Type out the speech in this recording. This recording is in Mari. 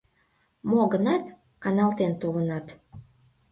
— Мо-гынат, каналтен толынат.